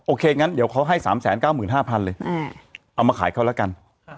โอเคงั้นเดี๋ยวเขาให้สามแสนเก้าหมื่นห้าพันเลยอืมเอามาขายเขาแล้วกัน